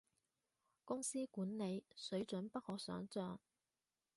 公司管理，水準不可想像